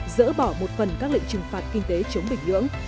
dỡ bỏ một phần các lệnh trừng phạt kinh tế chống bình nhưỡng